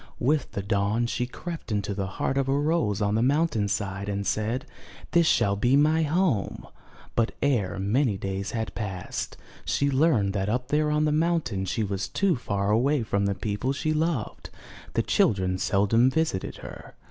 With the dawn, she crept into the heart of a rose on the mountain side and said 'This shall be my home." But ere many days had passed, she learned that up there on the mountain she was too far away from the people she loved; the children seldom visited her.